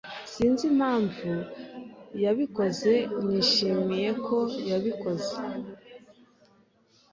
Sinzi impamvu yabikoze. Nishimiye ko yabikoze.